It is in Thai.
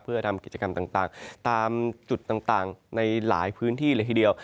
เพื่อทำกิจกรรมต่างตามจุดต่างในหลายพื้นที่เลยทีเดียว